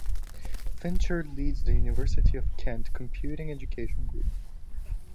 Fincher leads the University of Kent Computing Education Group.